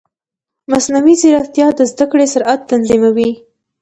مصنوعي ځیرکتیا د زده کړې سرعت تنظیموي.